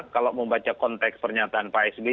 kalau membaca konteks pernyataan pak sby